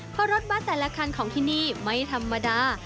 เพราะรถบัตรแต่ละคันของที่นี่ไม่ธรรมดา